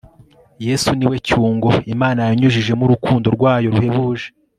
Yesu ni we cyungo Imana yanyujijemurukundo rwayo ruhebuie